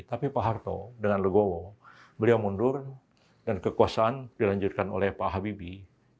tapi pak harto dengan legowo beliau mundur dan kekuasaan dilanjutkan oleh pak habibie